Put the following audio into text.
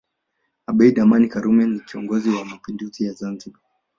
Abeid Amani Karume ni kiongozi wa Mapinduzi ya Zanzibar